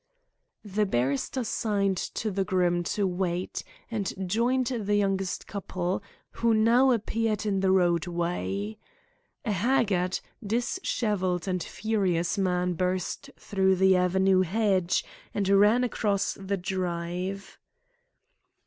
The barrister signed to the groom to wait, and joined the young couple, who now appeared in the roadway. A haggard, dishevelled, and furious man burst through the avenue hedge and ran across the drive.